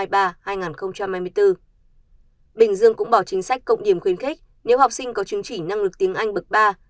bình dương cũng bỏ chính sách cộng điểm khuyến khích nếu học sinh có chứng chỉ năng lực tiếng anh bậc ba